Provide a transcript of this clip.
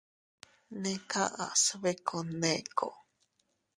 Neʼe kaʼas biku Nneeko.